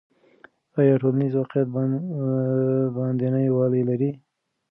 آیا ټولنیز واقعیت باندنی والی لري؟